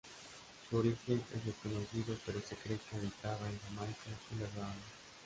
Su origen es desconocido pero se cree que habitaba en Jamaica y las Bahamas.